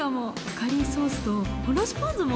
カリーソースとおろしポン酢も！？